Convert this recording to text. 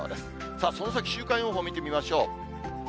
さあ、その先、週間予報、見てみましょう。